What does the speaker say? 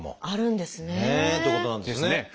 あるんですね。ということなんですよね。